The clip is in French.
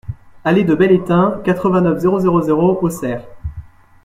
Allée de Bel Étain, quatre-vingt-neuf, zéro zéro zéro Auxerre